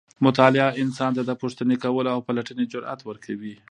مطالعه انسان ته د پوښتنې کولو او پلټنې جرئت ورکوي.